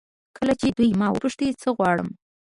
کله چې دوی ما وپوښتي څه غواړم.